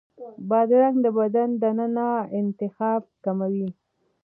بادرنګ د بدن دننه التهاب کموي.